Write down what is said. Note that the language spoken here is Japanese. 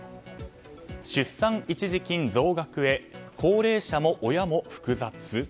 出産一時金増額へ高齢者も親も複雑？